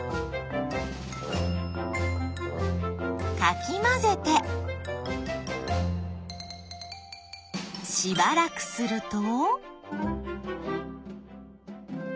かきまぜてしばらくすると。